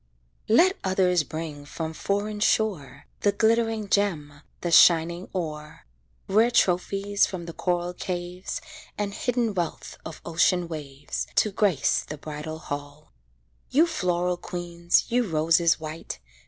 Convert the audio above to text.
Let others bring from foreign shore The glittering gem, the shining ore, Rare trophies from the coral caves, And hidden wealth of ocean waves, To grace the bridal hall. You floral queens! You roses white!